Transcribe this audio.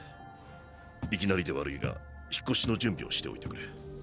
いきなりで悪いが引っ越しの準備をしておいてくれ。